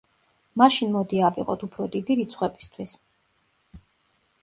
მაშინ მოდი ავიღოთ უფრო დიდი რიცხვებისთვის.